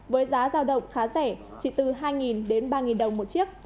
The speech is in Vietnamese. với giá giao động khá rẻ chỉ từ hai đến ba đồng một chiếc